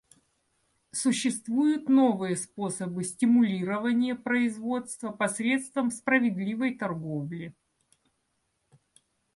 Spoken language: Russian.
Существуют новые способы стимулирования производства посредством справедливой торговли.